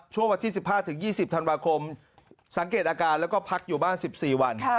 วันที่๑๕๒๐ธันวาคมสังเกตอาการแล้วก็พักอยู่บ้าน๑๔วัน